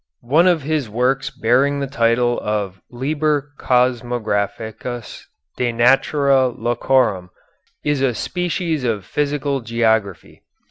One of his works bearing the title of "Liber Cosmographicus De Natura Locorum" is a species of physical geography.